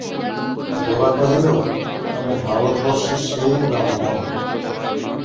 গোরা কহিল, আমি ভারতবর্ষের সেই ব্রাহ্মণ।